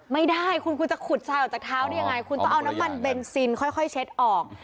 ไม่ได้คุณคุณจะขุดทรายออกจากเท้าได้ยังไงคุณต้องเอาน้ำมันเบนซินค่อยเช็ดออก